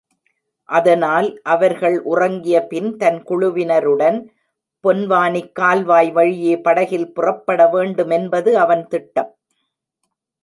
அதனால் அவர்கள் உறங்கியபின்தன் குழுவினருடன் பொன்வானிக் கால்வாய் வழியே படகில் புறப்படவேண்டுமென்பது அவன் திட்டம்.